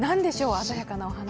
鮮やかなお花。